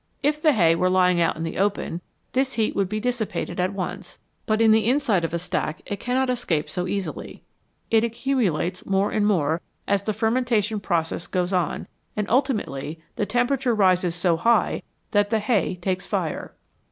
If the hay were lying out in the open, this heat would be dissi pated at once, but in the inside of a stack it cannot escape so easily ; it accumulates more and more as the fermentation process goes on and ultimately the tempera ture rises so high that the hay takes fire.